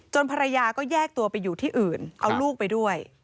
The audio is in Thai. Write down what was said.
ภรรยาก็แยกตัวไปอยู่ที่อื่นเอาลูกไปด้วย